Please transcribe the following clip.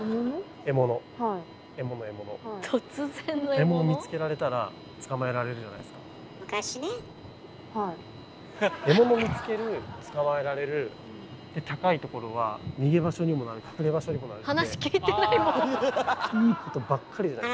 獲物見つける捕まえられるで高いところは逃げ場所にもなる隠れ場所にもなるって離れていった！